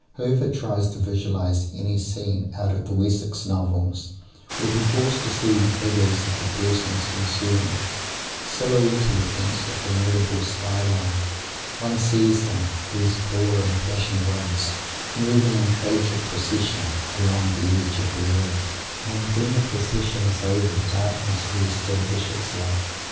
Whoever tries to visualize any scene out of the Wessex Novels will be forced to see the figures of the persons concerned "silhouetted" against a formidable skyline. One sees them, these poor impassioned ones, moving in tragic procession along the edge of the world, and, when the procession is over, darkness re establishes itself.